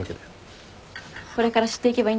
これから知っていけばいいんじゃない？